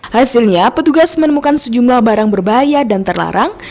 hasilnya petugas menemukan sejumlah barang berbahaya dan terlarang